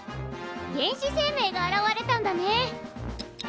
原始生命が現れたんだね。